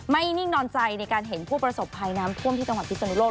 ไม่นิ่งนอนใจในการเห็นผู้ประสบคลายน้ำท่วมที่ตระหว่างปีศนุโรค